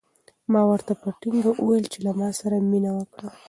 ما ورته په ټینګه وویل چې له ما سره مینه وکړه.